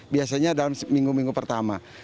biasanya dalam minggu minggu pertama